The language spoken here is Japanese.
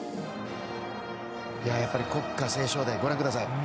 やっぱり国歌斉唱ではご覧ください。